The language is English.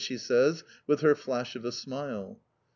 she says, with her flash of a smile.